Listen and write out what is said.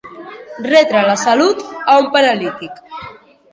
Retre la salut a un paralític.